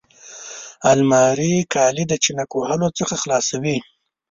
الماري د کالي چینګ وهلو نه خلاصوي